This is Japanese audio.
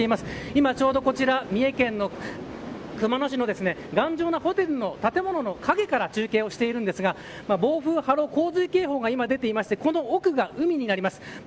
今ちょうどこちら三重県の熊野市の頑丈なホテルの建物の陰から中継をしているんですが暴風、波浪洪水警報が今出ていてこの奥が海になります。